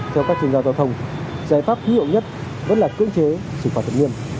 theo các chuyên gia giao thông giải pháp hữu hiệu nhất vẫn là cưỡng chế xử phạt thật nghiêm